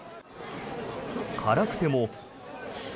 辛くても。